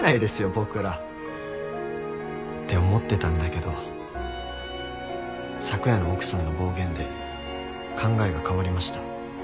僕ら。って思ってたんだけど昨夜の奥さんの暴言で考えが変わりました。